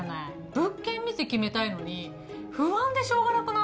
物件見て決めたいのに不安でしょうがなくない？